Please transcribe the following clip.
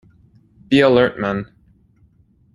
Be alert, men!